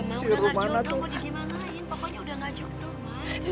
pokoknya udah gak jodoh